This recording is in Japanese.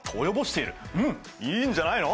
うんいいんじゃないの。